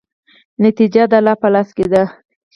نتیجه د الله په لاس کې ده.